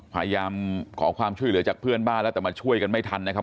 พยายามขอความช่วยเหลือจากเพื่อนบ้านแล้วแต่มาช่วยกันไม่ทันนะครับ